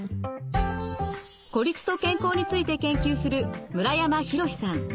孤立と健康について研究する村山洋史さん。